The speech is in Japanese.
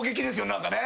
何かね。